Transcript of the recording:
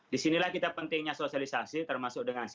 di sinilah kita pentingnya sosialisasi termasuk dengan sis